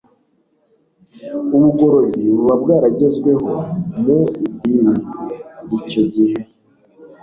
ubugorozi buba bwaragezweho mu idini, y'icyo gihe,